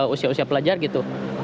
usia usia pelajar gitu